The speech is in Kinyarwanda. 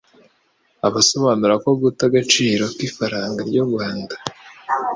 asobanura ko 'Guta agaciro kw'ifaranga ry'u Rwanda